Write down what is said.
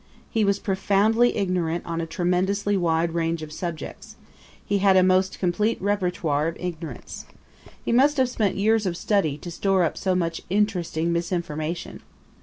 He was profoundly ignorant on a tremendously wide range of subjects; he had a most complete repertoire of ignorance. He must have spent years of study to store up so much interesting misinformation.